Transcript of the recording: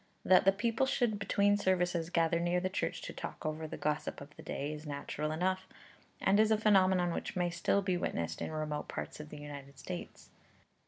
That the people should between services gather near the church to talk over the gossip of the day, is natural enough, and is a phenomenon which may still be witnessed in remote parts of the United States.